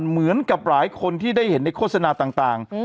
เหมือนกับหลายคนที่ได้เห็นในโฆษณาต่าง